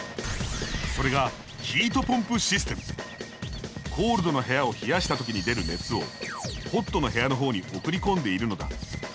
それがＣＯＬＤの部屋を冷やした時に出る熱をＨＯＴの部屋の方に送り込んでいるのだ。